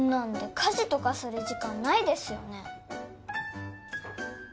家事とかする時間ないですよね